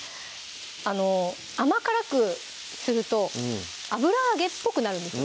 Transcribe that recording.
甘辛くすると油揚げっぽくなるんです